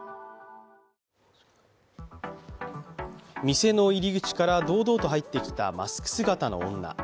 店の入り口から堂々と入ってきたマスク姿の女。